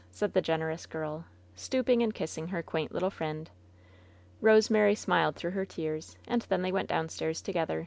said the generous girl, stooping and kissing her quaint little friend. Rosemary smiled through her tears; and then they went downstairs together.